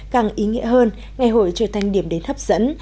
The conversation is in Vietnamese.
càng ý nghĩa hơn ngày hội trở thành điểm đến hấp dẫn